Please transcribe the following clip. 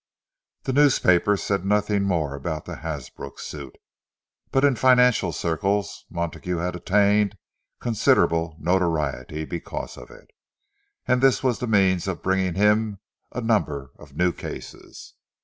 The newspapers said nothing more about the Hasbrook suit; but in financial circles Montague had attained considerable notoriety because of it. And this was the means of bringing him a number of new cases.